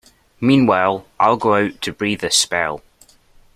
Meanwhile I'll go out to breathe a spell.